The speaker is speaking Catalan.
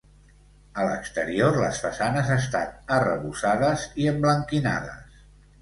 A l'exterior, les façanes, estan arrebossades i emblanquinades.